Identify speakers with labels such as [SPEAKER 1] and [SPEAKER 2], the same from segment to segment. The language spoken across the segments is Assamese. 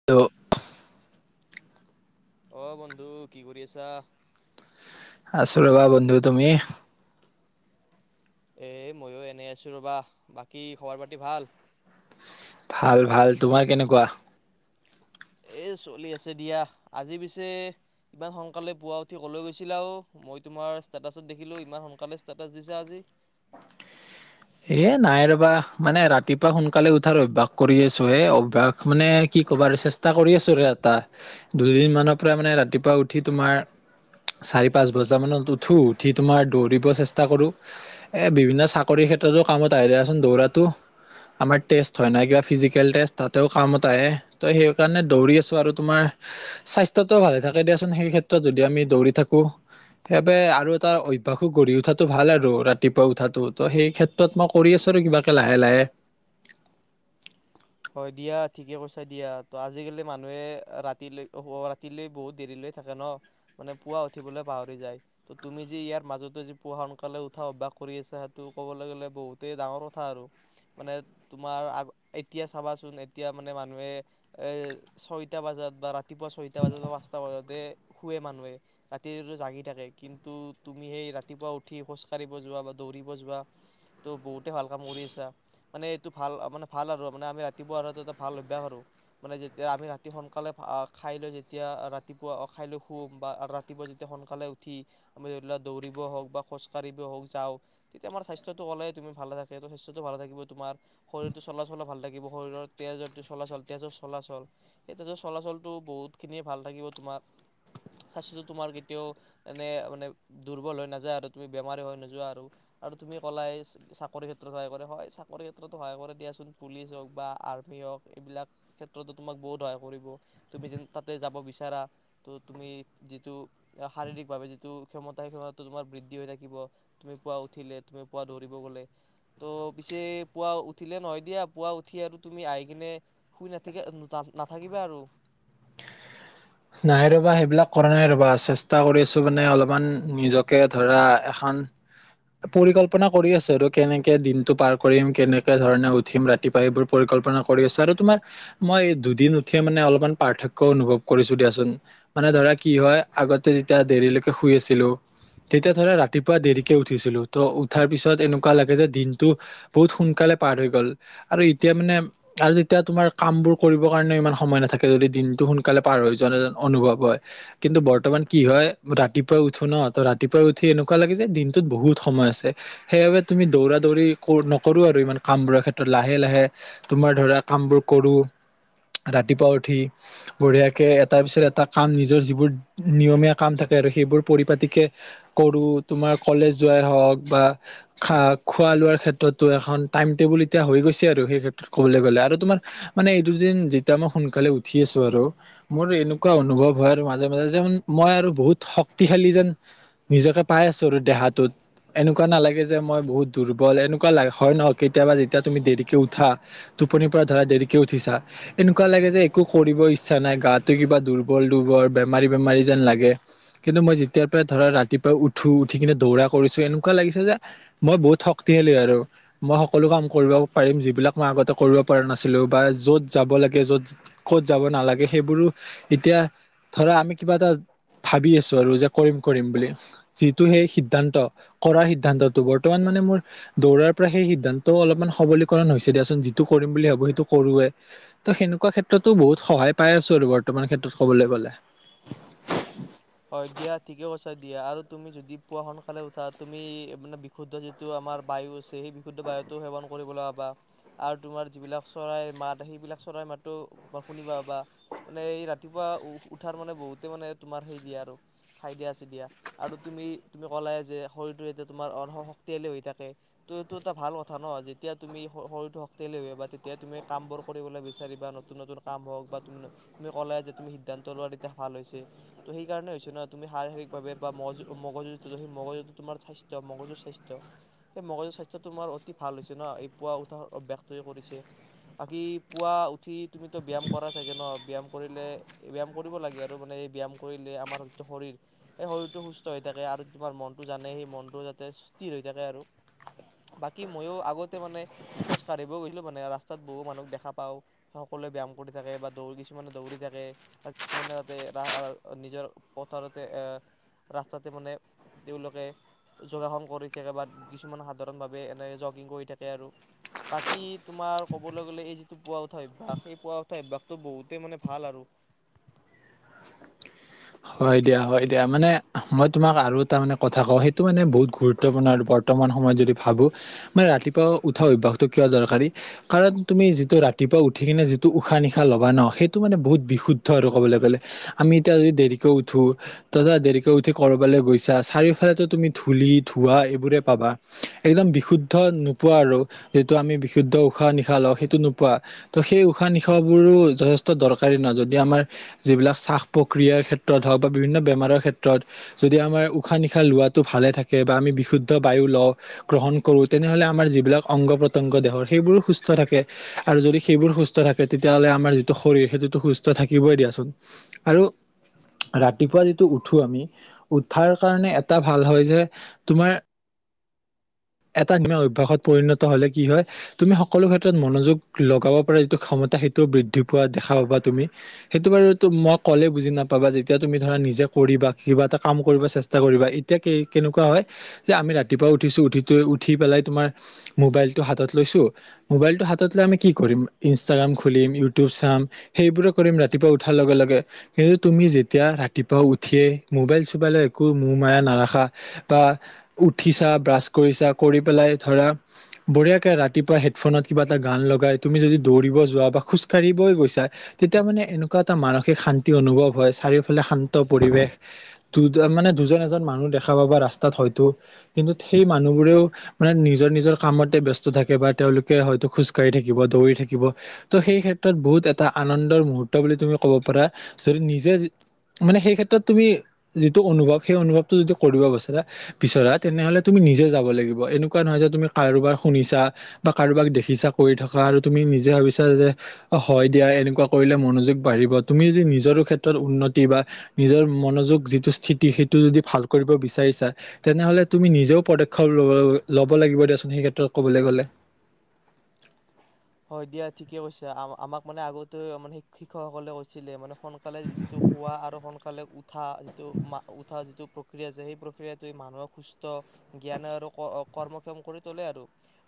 [SPEAKER 1] হেল্ল'।
[SPEAKER 2] অ' বন্ধু কি কৰি আছা?
[SPEAKER 1] আছো ৰ'বা বন্ধু, তুমি?
[SPEAKER 2] এই ময়ো এনেই আছোঁ ৰ'বা, বাকী খবৰ পাতি ভাল।
[SPEAKER 1] ভাল ভাল, তোমাৰ কেনেকুৱা?
[SPEAKER 2] এ চলি আছে দিয়া, আজি পিছে ইমান সোনকালে পুৱা উঠি ক'লৈ গৈছিলা অ'? মই তোমাৰ ষ্টেটাছত দেখিলোঁ, ইমান সোনকালে ষ্টেটাছ দিছা আজি।
[SPEAKER 1] এ নাই ৰ'বা মানে ৰাতিপুৱা সোনকালে উঠাৰ অভ্যাস কৰি আছো। এই অভ্যাস মানে কি কবা চেষ্টা ষ্টা কৰি আছোঁ এ চেষ্টা, দুদিনমানৰ পৰা মানে ৰাতিপুৱা উঠি তোমাৰ চাৰি পাঁচ বজা মানত উঠো, উঠি তোমাৰ দৌৰিব চেষ্টা কৰোঁ। এ বিভিন্ন চাকৰিৰ ক্ষেত্ৰতো কামত আহে দিয়াচোন দৌৰাতো। আমাৰ টেষ্ট হয় নাই কিবা ফিজিকেল টেষ্ট, তাতেও কামত আহে, ত' সেইকাৰণে দৌৰি আছোঁ আৰু তোমাৰ স্বাস্থ্যটোও ভালে থাকে দিয়াচোন সেই ক্ষেত্ৰত যদি আমি দৌৰি থাকো। সেইবাবে আৰু এটা অভ্যাসো গঢ়ি উঠাটো ভাল আৰু ৰাতিপুৱা উঠাতটো, ত' সেই ক্ষেত্ৰত তত মই কৰি আছো আৰু কিবাকে লাহে লাহে।
[SPEAKER 2] হয় দিয়া ঠিকে কৈছা দিয়া, ত' আজিকালি মানুহে ৰাতিলৈ অ' ৰাতিলৈ বহুত দেৰিলৈ থাকে ন, মানে পুৱা উঠিবলৈ পাহৰি যায়। ত' তুমি যি ইয়াৰ মাজতে যি পোৱা সোনকালে উঠা অভ্যাস কৰি আছা, সেইটো ক'বলৈ গ'লে বহুতেই ডাঙৰ কথা আৰু। মানে তোমাৰ আগৰ এতিয়া চাবাচোন এতিয়া মানে মানুহে এ ছয়টা বজাত বা ৰাতি ৰাতিপুৱা ছয়টা বজাত, পাঁচটা বজাতে শুৱে মানুহে। ৰাতিটোতো জাগি থাকে, কিন্তু তুমি সেই ৰাতিপুৱা উঠি খোজ কাঢ়িব যোৱা বা দৌৰিব যোৱা ত' বহুতে ভাল কাম কৰি আছা, মানে এইটো ভাল মানে ভাল আৰু ৰু মানে আমি ৰাতিপুৱা আৰু এটা এটা ভাল অভ্যাস আৰু মানে যেতিয়া আমি ৰাতি সোনকালে আহ খাই লৈ, যেতিয়া ৰাতিপুৱা অ' খাই লৈ শুম, বা ৰাতি ৰাতিপুৱা যেতিয়া সোনকালে উঠি, আমি ধৰি লোৱা দৌৰিব হওঁক বা খোজকাঢ়িব হওঁক যাওঁ তেতিয়া আমাৰ স্বাস্থ্যটো ক'লে তুমি ভাল থাকে। ত' স্বাস্থ্যটো ভালে থাকিব তোমাৰ, শাৰীৰটো চলা চলো ভাল লাগিব, শৰীৰৰ তেজ অতি চলাচল তেজৰ চলাচল সেইটোত চলাচলটো বহুত খিনিয়ে ভাল থাকিব তোমাৰ। স্বাস্থ্যটো তোমাৰ কেতিয়াও এনে মানে দুৰ্বল হৈ নাযায় আৰু তুমি বেমাৰি হৈ নোযোৱা আৰু আৰু তুমি ক'লাই চাকৰিৰ ক্ষেত্ৰত সহায় কৰে হয়। চাকৰি ক্ষেত্ৰতো সহায় কৰে দিয়াচোন। পুলিচ হওঁক বা আৰ্মি হওঁক, এইবিলাক ক্ষেত্ৰতো তোমাক বহুত সহায় কৰিব। তুমি জিন তাতে যাব বিচাৰা ত' তুমি যিটো শাৰীৰিক ভাৱে, যিটো ক্ষমতা সেই ক্ষমতাটো তোমাৰ বৃদ্ধি হৈ থাকিব। তুমি পুৱা উঠিলে, তুমি পুৱা দৌৰিব গ'লে, ত' পিছে পুৱা উঠিলে নহয় দিয়া পুৱা উঠি আৰু তুমি আহি কিনে শুই নাথাকি নাথাকিবা আৰু
[SPEAKER 1] নাই ৰবা সেইবিলাক কৰা নাই ৰবা চেষ্টা কৰি আছো মানে অলপমান নিজক কে ধৰা এখন পৰিকল্পনা কৰি আছো আৰু কেনেকে দিনটো পাৰ কৰিম, কেনেকে ধৰণে উঠিম ৰাত তিপোৱা এইবোৰ পৰিকল্পনা কৰি আছো। আৰু তোমাৰ মই এই দুদিন উঠিয়ে মানে অলপমান পাৰ্থক্য অনুভৱ কৰিছো দিয়াচোন মানে ধৰা কি হয় আগতে যেতিয়া দেৰিলৈকে শুই আছিলো তেতিয়া ধৰা ৰাতিপুৱা দেৰিকে উঠিছিলো ত উঠাৰ পিছত এনেকুৱা লাগে যে দিনটো বহুত সোনকালে পাৰ হৈ গ'ল আৰু এতিয়া মানে আৰু তেতিয়া তোমাৰ কামবোৰ কৰিবৰ কাৰণে ইমান সময় নাথাকে যদি দিনটো সোনকালে পাৰ হৈ যায় অনুভৱ হয়। কিন্তু বৰ্তমান কি হয় ৰাতিপুৱাই উঠো ন ত ৰাতিপুৱাই উঠি এনেকুৱা লাগে যে দিনটোত বহুত সময় আছে। সেইবাবে তুমি দৌৰা দৌৰি নকৰো আৰু ইমান কামবোৰাৰ ক্ষেত্ৰত লাহে লাহে তোমাৰ ধৰা কাম বোৰ কৰো। ৰাতিপুৱা উঠি বঢ়িয়াকে তাৰ পিছত এটা কাম নিজৰ যিবোৰ নিয়মীয়া কাম থাকে আৰু সেইবোৰ পৰিপাটিকে কৰো তোমাৰ কলেজ যোৱাই হওঁক বা খা খোৱা লোৱাৰ ক্ষেত্ৰতো এখন টাইম টেবুল এতিয়া হৈ গৈছে আৰু সেই ক্ষেত্ৰত। ক'বলে গ'লে আৰু তোমাৰ মানে এই দুদিন যেতিয়া মই সোনকালে উঠি আছো আৰু মোৰ এনেকুৱা অনুভৱ হয় আৰু মাজে মাজে যেন মই আৰু বহুত শক্তিশালী যেন নিজকে পাই আছো আৰু দেহাটোত এনেকুৱা নালাগে যে মই বহুত দুৰ্বল এনেকুৱা লা হয় নহয় কেতিয়াবা যেতিয়া তুমি দেৰিকে উঠা টোপনিৰ পৰা ধৰা দেৰিকে উঠিছা এনেকুৱা লাগে যে একো কৰিব ইচ্ছা নাই গা টো কিবা দুৰ্বল দুৰ্বল, বেমাৰী বেমাৰী যেন লাগে কিন্তু মই যেতিয়াৰ পৰাই ধৰা ৰাতিপুৱাই উঠো উঠি কিনে দৌৰা কৰিছো এনেকুৱা লাগিছে যে মই বহুত শক্তিশালী আৰু মই সকলো কাম কৰিব পাৰিম যিবিলাক মই আগতে কৰিব পৰা নাছিলো বা য'ত যাব লাগে য'ত ক'ত যাব নালাগে সেইবোৰো এতিয়া ধৰা আমি কিবা এটা ভাবি আছো আৰু যে কৰিম কৰিম বুলি যিটো সেই সিদ্ধান্ত কৰাৰ সিদ্ধান্তটো বৰ্তমান মানে মোৰ দৌৰাৰ পৰা সেই সিদ্ধান্ত অলপমান সবলীকৰণ হৈছে দিয়াচোন যিটো কৰিম বুলি ভাবো সেইটো কোৰোৱে ত' সেনেকুৱা ক্ষেত্ৰতো বহুত সহায় পাই আছো আৰু বৰ্তমান ক্ষেত্ৰত কবলে গ'লে
[SPEAKER 2] হয় দিয়া ঠিকে কৈছা দিয়া আৰু তুমি যদি পুৱা সোনকালে উঠা তুমি মানে বিশুদ্ধি যিটো আমাৰ বায়ু আছে সেই বিশুদ্ধ বায়ুটো সেৱন কৰিবলৈ পাৱা আৰু তোমাৰ যিবিলাক চৰাইৰ মাত, সেইবিলাক চৰাই মাতো শুনিবা বা মানে এই ৰাতিপুৱা উ উঠাৰ মানে বহুতে মানে তোমাৰ সেই দিয়ে আৰু ঠাই দিয়া আছে দিয়া আৰু তুমি তুমি ক'লা যে শৰীৰটো এতিয়া তোমাৰ অৰ্হ শক্তিশালী হৈ থাকে ত এইটো এটা ভাল কথা ন যেতিয়া তুমি শৰীৰটো শক্তিালী হয় বা তেতিয়া তুমি কামবোৰ কৰিবলে বিচাৰিবা ন তুন নতুন কাম হওক বা তুম তুমি কলাই যে তুমি সিদ্ধান্ত লোৱা এতিয়া ভাল হৈছে ত' সেই কাৰণে হৈছে ন তুমি শাৰীৰিকভাৱে বা মগজ মগজুতটো সেই মগজুতটো তোমাৰ স্বাস্থ্য মগজুৰ স্বাস্থ্য সেই মগজুৰ স্বাস্থ্যটো তোমাৰ অতি ভাল হৈছে ন এই পুৱা উঠাহ অভ্যাসটোযে কৰিছে বাকী পুৱা উঠি তুমিতো ব্যায়াম কৰা চাগে ন ব্যায়াম কৰিলে ব্যায়াম কৰিব লাগে আৰু মানে এই ব্যাম কৰিলে আমাৰ যিটো শৰীৰ সেই শৰীৰটো সুস্থ হৈ থাকে আৰু তোমাৰ মনটো জানে সেই মনটো যাতে স্থিৰ হৈ থাকে আৰু বাকী মইয়ো আগতে মানে খোজ কাঢ়িবও গৈছিলো মানে ৰাস্তাত বহু মানুক দেখা পাওঁ সকলোৱে ব্যাম কৰি থাকে বা দৌৰি কিছুমানে দৌৰি থাকে বা কিছুমানে যাতে এটা নিজৰ পথাৰতে এ ৰাস্তাতে মানে তেওঁলোকে যোগাসন কৰি থাকে বা, কিছুমান সাধাৰণ ভাৱে এনে জগিং কৰি থাকে আৰু। বাকী তোমাৰ ক'বলৈ গ'লে, এই যিটো পোৱা উঠা অভ্যাস এই পোৱা উঠা অভ্যাসটো বহুতেই মানে ভাল আৰু।
[SPEAKER 1] হয় দিয়া হয় দিয়া মানে, মই তোমাক আৰু এটা মানে কথা কওঁ সেইটো মানে বহুত গুৰুত্বপূৰ্ণৰ বৰ্তমান সময়ত যদি ভাবো, মানে ৰাতিপুৱা উঠা অভ্যাসটো কিয় দৰকাৰী। কাৰণ তুমি যিটো ৰাতিপুৱা উঠি কিনে যিটো উশাহ নিশাহ লগা ন, সেইটো মানে বহুত বিশুদ্ধ আৰু কবলৈ গ'লে। আমি এতিয়া যদি দেৰিকৈ উঠো, তথ দেৰিকৈ উঠি কৰবালৈ গৈছা চাৰিওফালে তুমি ধূলি, ধৱা এইবোৰে পাবা, একদম বিশুদ্ধ নোপোৱা আৰু। সেইটো আমি বিশুদ্ধ উশাহ -নিশাহ লওঁ সেইটো নোপোৱা। ত' সেই উশাহ- নিশাহাবোৰো যথেষ্ট দৰকাৰী নহয়, যদি আমাৰ যিবিলাক চ্বাহ প্ৰক্ৰিয়াৰ ক্ষেত্ৰত ক্ষেত্ৰত হওক বা বিভিন্ন বেমাৰৰ ক্ষেত্ৰত। যদি আমাৰ উশাহ- নিশাহ লোৱাটো ভালে থাকে বা আমি বিশুদ্ধ বায়ু লওঁ। গ্ৰহণ কৰোঁ তেনেহলে আমাৰ যিবিলাক অংগ প্ৰত্যংগ দেহৰ সেইবোৰো সুস্থ থাকে। আৰু যদি সেইবোৰ সুস্থ থাকে তেতিয়াহ'লে আমাৰ যিটো শৰীৰ সেইটোতো সুস্থ থাকিবই দিয়াচোন। আৰু ৰাতিপুৱা যিটো উঠো আমি, উঠাৰ কাৰণে এটা ভাল হয় যে তোমাৰ এটা অভ্যাসত পৰিণত হ'লে কি হয়! তুমি সকলো ক্ষেত্ৰ ক্ষেত মনোযোগ, লগাব পাৰে যিটো ক্ষতা সেইটোও বৃদ্ধি পোৱা দেখা পাবা তুমি। সেইটো বাৰু মই ক'লে বুজি নাপাবা যেতিয়া তুমি ধৰা নিজে কৰিবা কিবা এটা কাম কৰিব চেষ্টা কৰিবা। এতিয়া কে -কেনেকুৱা হয়, যে আমি ৰাতিপুৱা উঠিছোঁ উঠি -উঠি পেলাই তোমাৰ মোবাইলটো হাতত লৈছো। মোবাইলটো হাতত লৈ আমি কি কৰিম, ইনষ্টাগ্ৰাম খুলিম ইউটিউব চাম। সেইবোৰে কৰিম ৰাতিপুৱা উঠাৰ লগে লগে। কিন্তু তুমি যেতিয়া ৰাতিপুৱা উঠিয়ে মোবাইল-চোবাইল একো মৌহ মায়া নাৰাখা। বা, উঠিছা ব্ৰাছ কৰিছা কৰি পেলাই ধৰা বঢ়িয়াকে ৰাতিপুৱা হেডফোনত কিবা এটা গান লগাই তুমি যদি দৌৰিব যোৱা বা খোজকাঢ়িবই গৈছা। তেতিয়া মানে এনেকুৱা এটা মানসিক শান্তি অনুভৱ হয় চাৰিওফালে শান্ত পৰিৱেশ, দু মানে দুজন এজন এজন মানুহ দেখা পাবা ৰাস্তাত হয়তো, কিন্তু সেই মানুহবোৰেও মানে নিজৰ- নিজৰ কামতে ব্যস্ত থাকে বা তেওঁলোকে হয়তো খোজকাঢ়ি থাকিব দৌৰি থাকিব। ত' সেই ক্ষেত্ৰত বহুত এটা আনন্দৰ মুহুৰ্ত বুলি তুমি ক'ব পাৰা, যদি নিজে মানে সেই ক্ষেত্ৰত তুমি, যিটো অনুভৱ সেই অনুভৱটো যদি কৰিব বিচাৰ -বিচৰা তেনেহ'লে তুমি নিজে যাব লাগিব এনেকুৱা নহয় যে তুমি কাৰোবাৰ শুনিছা। বা কাৰোবাক দেখিছা কৰি থকা আৰু তুমি নিজে ভাবিছা যে হয় দিয়া এনেকুৱা কৰিলে মনোযোগ বাঢ়িব তুমি যদি নিজৰো ক্ষেত্ৰত উন্নতি বা নিজৰ মনোযোগ যিটো স্থিতি সেইটো যদি ভাল কৰিব বিচাৰিছা, তেনেহলে তুমি নিজেও পদক্ষেপ ল ল'ব লাগিব দেয়াচোন সেই ক্ষেত্ৰত ক'বলৈ গ'লে।
[SPEAKER 2] হয় দিয়া ঠিকে কৈছে, আ-আমাক মানে আগতে মানে শ- শিক্ষকসকলে কৈছিলে মানে সোনকালে যিটো খোৱা আৰু সোনকালে উত উঠা যিটো উঠা যিটো প্ৰক্ৰিয়া আছে সেই প্ৰক্ৰিয়াটোৱে মানুহক সুস্থ জ্ঞান আৰু কৰ -কৰ্মক্ষম কৰি তোলে আৰু,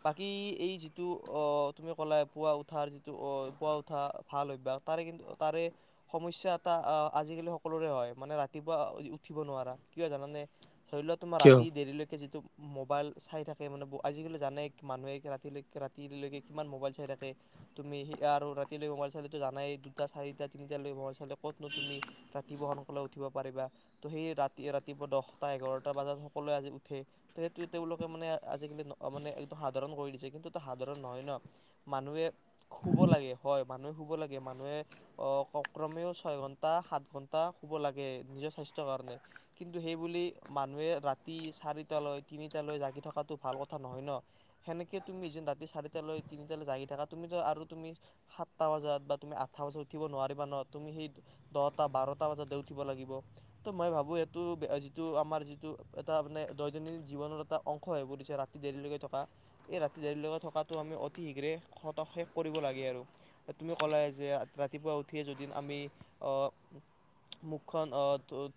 [SPEAKER 2] বাকী এই যিটো অ', তুমি কলায়ে পুৱা উঠাৰ যিটো অ', পুৱা উঠা ভাল অভ্যাস তাৰে কিন্তু তাৰে সমস্যা এটা আ- আজিকালি সকলোৰে হয় মানে ৰাতিপুৱা উঠিব নোৱাৰা কিয় জানানে! শৈলত তোমাৰ
[SPEAKER 1] কিয়?
[SPEAKER 2] ৰাতি দেৰিলৈকে যিটো মোবাইল চাই থাকে মানে আজি-কালি জানে মানুহে ৰাতিলৈকে ৰাত ৰাতিলৈকে কিমান মোবাইল চাই থাকে। তুমি হী আৰু ৰাতিলৈ মোবাইল চালেতো জানাই দুটা চাৰিটা তিনিটা লৈ মোবাইল চালে কতনো তুমি ৰাতি বহন কলে উঠিব পাৰিবা ত' সেই ৰাতি ৰাতিপুৱা দহটা এঘাৰটা বজাত সকলোৱে আজি উঠে ত সেইটো তেওঁলোকে মানে আজিকালি মানে একদম সাধাৰণ কৰি দিছে কিন্তু সাধাৰণ নহয় ন মানুহে খুব লাগে হয় মানুহে শুব লাগে মানুহে অ ক্ৰমেও ছয় ঘন্টা সাত ঘণ্টা শুব লাগে নিজৰ স্বাস্থ্যৰ কাৰণে কিন্তু সেইবুলি মানুহে ৰাতি চাৰিটালৈ তিনিটালৈ জাগি থকাটো ভাল কথা নহয় ন সেনেকে তুমি য ৰাতি চাৰিটালৈ তিনিটালৈ জাগি থাকা তুমি ত আৰু তুমি সাতটা বজাত বা তুমি আঠটা বজাত উঠিব নোৱাৰিবা ন তুমি সেই দহটা বাৰটা বজাত দে উঠিব লাগিব ত মই ভাবো এইেইটো যিটো আমাৰ যিটো এটা মানে দৈনন্দিন জীৱনৰ এটা অংশ হয় পৰিছে ৰা ৰাতি দেৰিলৈকে থকা এই ৰাতি দেৰিলৈকে থকাটো আমি অতি শীঘ্ৰেত খত শেষ কৰিব লাগে আৰু তুমি ক'লাএ যে ৰাতিপুৱা উঠিয়ে যদি আমি অ মুখখন ও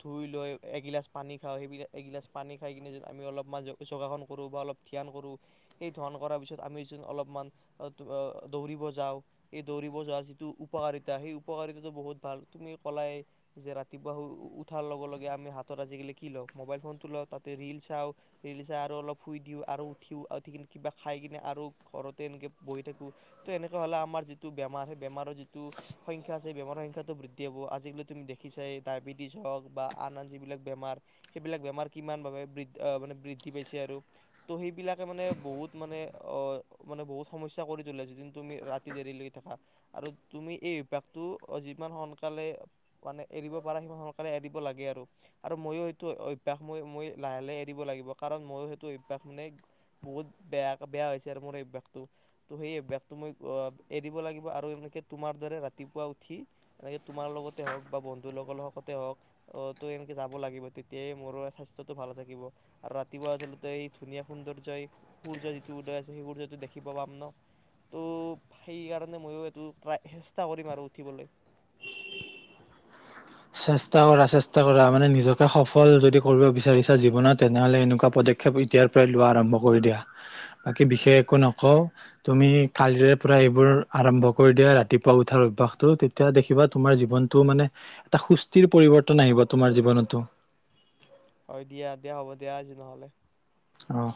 [SPEAKER 2] ধুই লৈ এগিলাচ পানী খাওঁ এগিলাচ এগিলাচ পানী খাই কিনে য আমি অলপ মান জ চোগাসন কৰোঁ বা অলপ ধ্যান কৰোঁ ধণ কৰাৰ পিছত আমি চোন অলপমান দৌৰিব যাওঁ সেই দৌৰিব যোৱাৰ যিটো উপকাৰিতা সেই উপকাৰিতাটো বহুত ভাল তুমি কলাই যে ৰাতিপুৱা শুই ও -উঠাৰ লগে লগে আমি হাতত আজিকালি কি লওঁ মোবাইল ফোনটো লওঁ তাতে ৰিল চাওঁ ৰিল চাই আৰু অলপ শুই দিওঁ আৰু উঠিও আৰু উঠি কিবা খাই কিনে আৰু ঘৰতে এনকে বহি থাকো ত এনেকুৱা হলে আমাৰ যিটো বেমাৰ সেই বেমাৰৰ যিটো সংখ্যা আছে সেই বেমাৰৰ সংখ্যাটো বৃদ্ধি হ'ব আজিকালি তুমি দেখিছাই ডায়েবেটিছ হওক বা আন আন যিবিলাক বেমাৰ সেইবিলাক বেমাৰ কিমান ভাবে বৃ মানে বৃদ্ধি পাইছে আৰু ত' সেইবিলাকে মানে বহুত মানে অ মানে বহুত সমস্যা কৰি তোলে যোদন তুমি ৰাতি দেৰি লেগী থাকা আৰু তুমি এই অভ্যয়াসতটো যিমান সোনকালে মানে এৰিব পাৰা সিমান সোনকালে এৰিব লাগে আৰু আৰু মইও সেইটো অভ্যাস ম মই লাহে লাহে এৰিব লাগিব কাৰণ মইো সেইটো অভ্যয়াস মানে বহুত বেয়া বেয়া হৈছে আৰু মোৰ অভ্যাসটো। তো সেই অভ্যাসটো মই এৰিব লাগিব আৰু এনেকে তোমাৰ দৰে ৰাতিপুৱা উঠি এনেকে তোমাৰ লগতে হওক বা বন্ধুৰ লগৰ লগতে হওক অ তো এনেকে যাব লাগিব তেতিয়াই মোৰো স্বাস্থ্যটো ভালে থাকিব। আৰু ৰাতিপুৱা আচলতে এই ধুনীয়া সৌন্দৰ্যই সূৰ্য যিটো উদয় আছে সেই সূৰ্যটো দেখিব পাম ন। ত' সেইকাৰণে ময়ো এইটো ট্ৰাই চেষ্টা কৰিম আৰু উঠিবলৈ।
[SPEAKER 1] চেষ্টা কৰা চেষ্টা কৰা মানে নিজকে সফল যদি কৰিব বিচাৰিছা জীৱনত তেনেহলে এনেকুৱা পদক্ষ ক্ষেপ এতিয়াৰ পৰাই লোৱা আৰম্ভ কৰি দিয়া বাকী বিশেষ একো নকওঁ। তুমি কালিৰে পৰা এইবোৰ আৰম্ভ কৰি দিয়া ৰাতিপুৱা উঠাৰ অভ্যাসটো তেতিয়া দেখিবা তোমাৰ জীৱন টো মানে এটা সুস্থিৰ পৰিৱৰ্তন আহিব তোমাৰ জীৱনতো।
[SPEAKER 2] হয় দিয়া দিয়া হ'ব দিয়া আজি নহ'লে।
[SPEAKER 1] অঁ'।